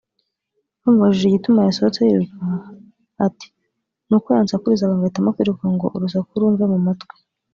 Bamubajije igituma yasohotse yiruka ati n’uko yansakurizaga ngahitamo kwiruka ngo urusaku rumve mu matwi